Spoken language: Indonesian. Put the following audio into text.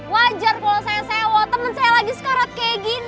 wajar kalau saya sewot temen saya lagi sekarat kayak gini